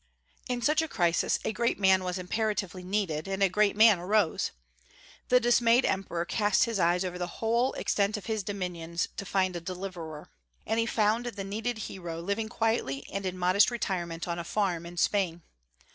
In such a crisis a great man was imperatively needed, and a great man arose. The dismayed emperor cast his eyes over the whole extent of his dominions to find a deliverer. And he found the needed hero living quietly and in modest retirement on a farm in Spain.